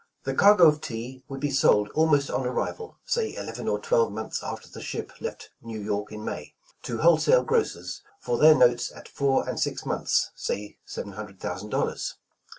''The cargo of tea would be sold almost on arrival, (say eleven or twelve months after the ship left New York in May), to wholesale grocers, for their notes at four and six months, say seven hundred thousand dol lars.